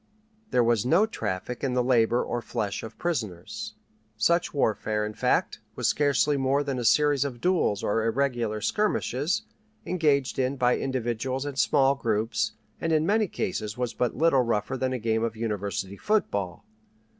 There was no traffic in the labor or flesh of prisoners. Such warfare, in fact, was scarcely more than a series of duels or irregular skirmishes, engaged in by individuals and small groups, and in many cases was but little rougher than a game of university football.